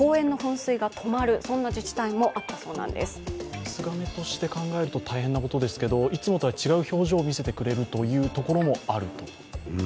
水がめとして考えると大変なことですけれども、いつもとは違う表情を見せてくれるというところもあると。